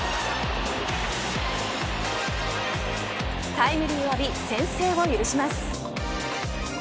タイムリーを浴び先制を許します。